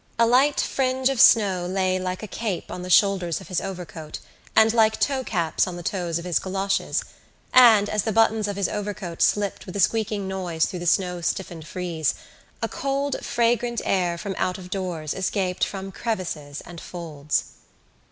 A light fringe of snow lay like a cape on the shoulders of his overcoat and like toecaps on the toes of his goloshes; and, as the buttons of his overcoat slipped with a squeaking noise through the snow stiffened frieze, a cold, fragrant air from out of doors escaped from crevices and folds.